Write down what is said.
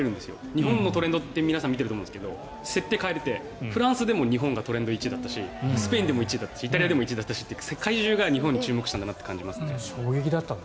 日本のトレンドは皆さん見れると思うんですけど設定を変えれてフランスでも日本がトレンド１位だったしスペインでも１位だったしイタリアでも１位だったし世界中が日本に注目したんだなと。